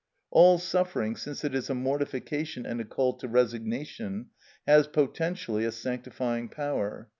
All suffering, since it is a mortification and a call to resignation, has potentially a sanctifying power.